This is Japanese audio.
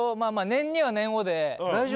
念には念をで大丈夫？